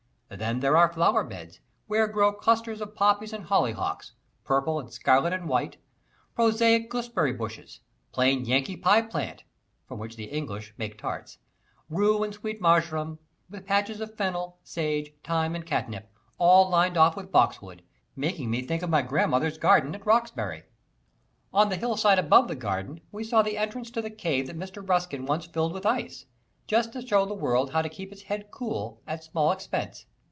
Then there are flowerbeds, where grow clusters of poppies and hollyhocks (purple, and scarlet, and white), prosaic gooseberry bushes, plain Yankee pieplant (from which the English make tarts), rue and sweet marjoram, with patches of fennel, sage, thyme and catnip, all lined off with boxwood, making me think of my grandmother's garden at Roxbury. On the hillside above the garden we saw the entrance to the cave that Mr. Ruskin once filled with ice, just to show the world how to keep its head cool at small expense.